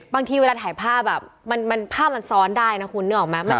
บางทีเวลาถ่ายภาพภาพมันซ้อนได้นะคุณนึกออกไหม